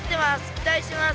期待してます。